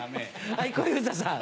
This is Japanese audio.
はい小遊三さん。